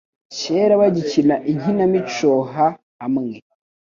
kera bagikina inkinamicoha hamwe